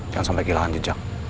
jangan sampai gilangan jejak